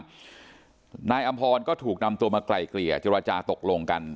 นายอำพรก็ถูกนำตัวมาไกลเกลี่ยเจรจาตกลงกัน